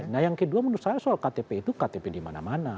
nah yang kedua menurut saya soal ktp itu ktp di mana mana